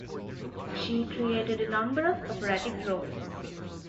She created a number of operatic roles.